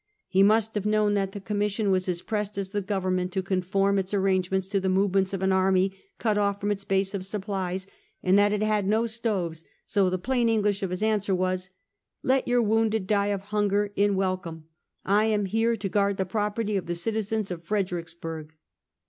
" He must have known that the Commission was as pressed as the Government to conform its arrange ments to the movements of an army cut off from its base of supplies, and that it had no stoves, so the plain English of his answer was: "Let your wounded die of hunger, in welcome! I am here to guard the property of the citizens of Fred ericksburg!"